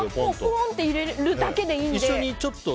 ぽんと入れるだけでいいので。